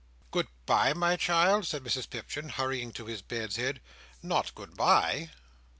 "Good bye, my child!" said Mrs Pipchin, hurrying to his bed's head. "Not good bye?"